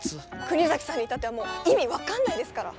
国崎さんに至ってはもう意味分かんないですから。